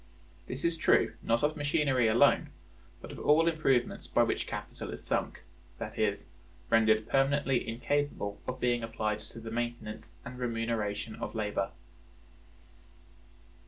This is true, not of machinery alone, but of all improvements by which capital is sunk; that is, rendered permanently incapable of being applied to the maintenance and remuneration of labor.